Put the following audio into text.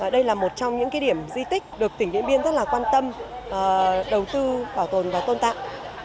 đây là một trong những điểm di tích được tỉnh điện biên rất là quan tâm đầu tư bảo tồn và tôn tạng